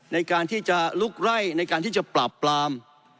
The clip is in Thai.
ในการที่จะลุกไล่ในการที่จะปราบปราม